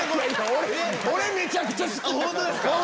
俺めちゃくちゃ好きだから。